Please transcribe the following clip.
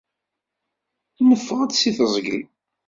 Neffeɣ-d si teẓgi.